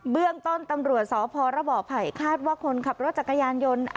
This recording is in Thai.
เรื่องต้นตำรวจสพรบไผ่คาดว่าคนขับรถจักรยานยนต์